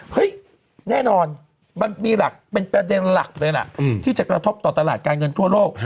แน่นอนมันมีหลักเป็นประเด็นหลักเลยล่ะที่จะกระทบต่อตลาดการเงินทั่วโลก